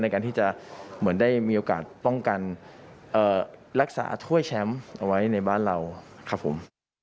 ในการที่จะเหมือนได้มีโอกาสป้องกันรักษาถ้วยแชมป์เอาไว้ในบ้านเราครับผม